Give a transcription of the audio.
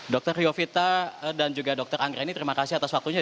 dr riovita dan juga dr anggra ini terima kasih atas waktunya